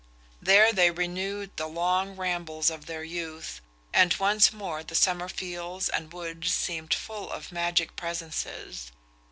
There they renewed the long rambles of their youth, and once more the summer fields and woods seemed full of magic presences.